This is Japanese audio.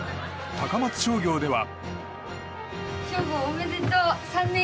高松商業では。